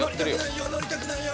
乗りたくないよ！